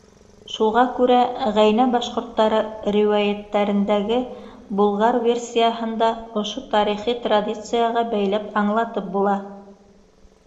Шуға күрә ғәйнә башҡорттары риүәйәттәрендәге булгар версияһын да ошо тарихи традицияға бәйләп аңлатып була.